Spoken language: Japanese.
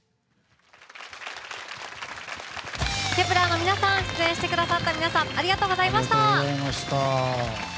Ｋｅｐ１ｅｒの皆さん出演してくださった皆さんありがとうございました。